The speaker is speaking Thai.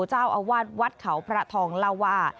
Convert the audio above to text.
เจ้าอาวาสวัดเขาพระทองเล่าว่า